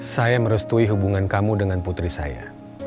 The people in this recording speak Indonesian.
saya merestui hubungan kamu dengan putri saya